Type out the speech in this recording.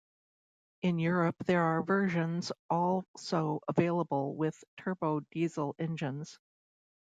In Europe there are versions also available with turbo diesel engines.